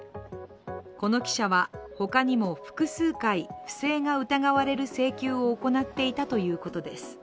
この記者は他にも複数回、不正が疑われる請求を行っていたということです。